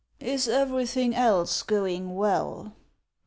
" Is everything else going well